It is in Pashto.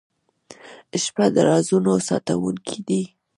• شپه د رازونو ساتونکې ده.